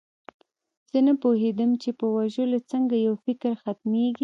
زه نه پوهېدم چې په وژلو څنګه یو فکر ختمیږي